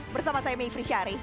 bersama saya mie frisari